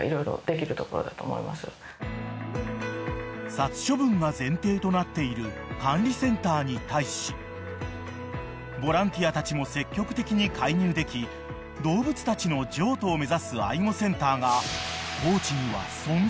［殺処分が前提となっている管理センターに対しボランティアたちも積極的に介入でき動物たちの譲渡を目指す愛護センターが］